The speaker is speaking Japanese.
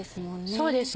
そうですね